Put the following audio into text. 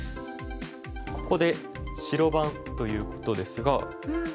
ここで白番ということですが。